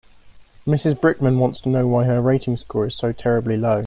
Mrs Brickman wants to know why her rating score is so terribly low.